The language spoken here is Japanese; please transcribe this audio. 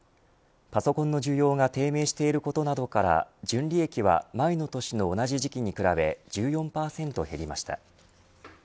パソコンの需要が低迷していることなどから純利益は前の年の同じ時期に比べ１４％減りました。